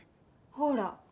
ほら。